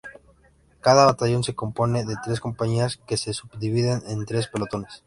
Cada batallón se compone de tres compañías, que se subdividen en tres pelotones.